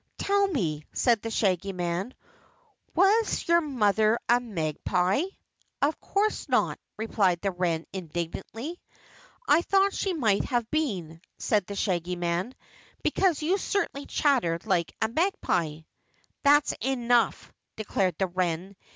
"Tell me," said the Shaggy Man, "was your mother a magpie?" "Of course not," replied the wren indignantly. "I thought she must have been," said the Shaggy Man, "because you certainly chatter like a magpie." "That's enough," declared the wren.